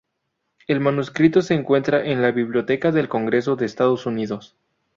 El manuscrito se encuentra en la Biblioteca del Congreso de Estados Unidos.